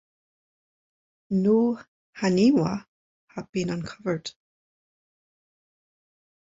No "haniwa" have been uncovered.